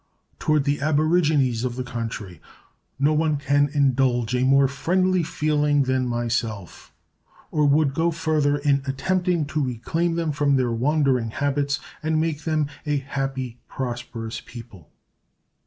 Toward the aborigines of the country no one can indulge a more friendly feeling than myself, or would go further in attempting to reclaim them from their wandering habits and make them a happy, prosperous people.